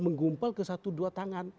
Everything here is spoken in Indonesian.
menggumpal ke satu dua tangan